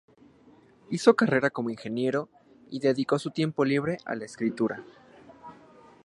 Hizo carrera como ingeniero, y dedicó su tiempo libre a la escritura.